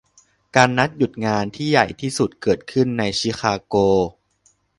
การนัดหยุดงานที่ใหญ่ที่สุดเกิดขึ้นในชิคาโก